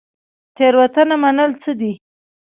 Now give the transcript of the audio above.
تیروتنه منل څه دي؟